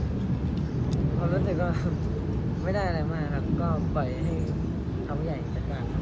ก็พอรู้สึกไม่ได้อะไรมากบ่อยใช่เรื่องใหญ่น้ำตาติมาก